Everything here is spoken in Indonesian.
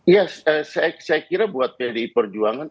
ya saya kira buat pdi perjuangan